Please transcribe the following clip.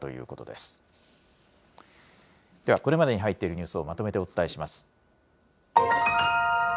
ではこれまでに入っているニュースをまとめてお伝えします。